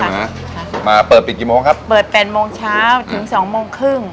มาค่ะมาเปิดปิดกี่โมงครับเปิดแปดโมงเช้าถึงสองโมงครึ่ง